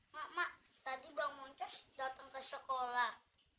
mak mak tadi bang muncus datang ke sekolah